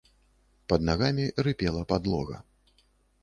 Пад нагамі рыпела падлога.